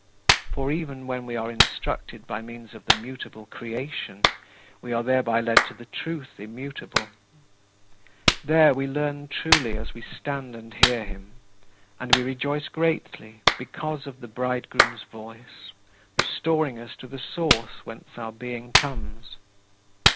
For even when we are instructed by means of the mutable creation, we are thereby led to the Truth immutable. There we learn truly as we stand and hear him, and we rejoice greatly "because of the bridegroom's voice," restoring us to the source whence our being comes.